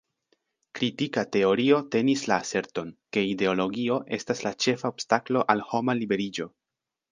Kritika teorio tenis la aserton, ke ideologio estas la ĉefa obstaklo al homa liberiĝo.